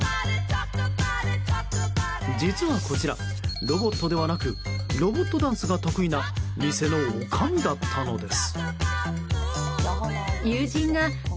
実はこちら、ロボットではなくロボットダンスが得意な店のおかみだったのです。